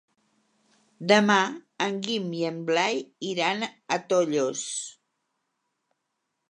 Demà en Guim i en Blai iran a Tollos.